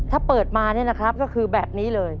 ถ้าเปิดมานี่นะครับก็คือแบบนี้เลย